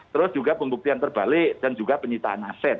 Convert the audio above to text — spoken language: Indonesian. terus juga pembuktian terbalik dan juga penyitaan aset